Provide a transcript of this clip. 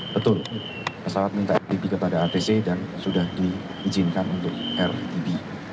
betul pesawat minta rtb kepada atc dan sudah diizinkan untuk rtb